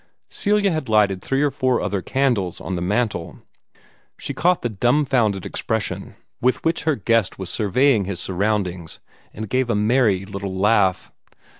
Celia had lighted three or four other candles on the mantel. She caught the dumfounded expression with which her guest was surveying his surroundings, and gave a merry little laugh.